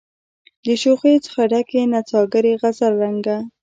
د شوخیو څخه ډکي نڅاګرې غزل رنګه